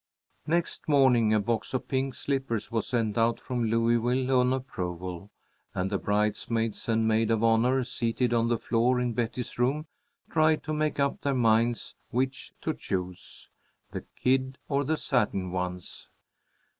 Next morning a box of pink slippers was sent out from Louisville on approval, and the bridesmaids and maid of honor, seated on the floor in Betty's room, tried to make up their minds which to choose, the kid or the satin ones.